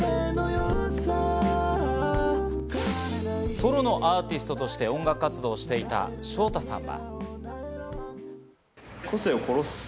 ソロのアーティストとして音楽活動をしていたショウタさんは。